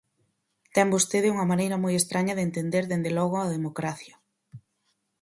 Ten vostede unha maneira moi estraña de entender dende logo a democracia.